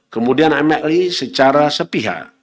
kemudian mli secara sepihak